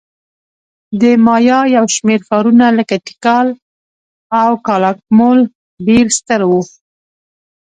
د مایا یو شمېر ښارونه لکه تیکال او کالاکمول ډېر ستر وو